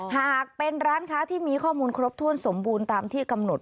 หากเป็นร้านค้าที่มีข้อมูลครบถ้วนสมบูรณ์ตามที่กำหนด